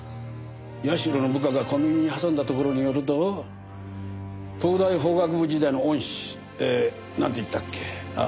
社の部下が小耳に挟んだところによると東大法学部時代の恩師えなんて言ったっけ。